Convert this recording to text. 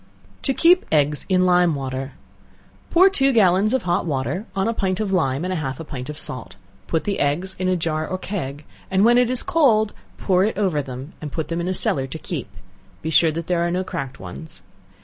To Keep Eggs in Lime Water. Pour two gallons of hot water on a pint of lime and half a pint of salt; put the eggs in a jar or keg, and when it is cold, pour it over them, and put them in a cellar to keep; be sure that there are no cracked ones.